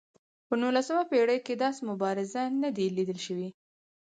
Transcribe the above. په نولسمه پېړۍ کې داسې مبارز نه دی لیدل شوی.